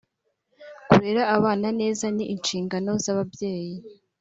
kurera abana neza ni inshingano zababyeyi